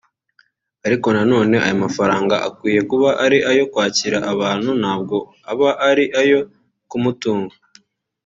Ariko na none aya mafaranga akwiye kuba ari ayo kwakira abantu ntabwo aba ari ayo kumutunga”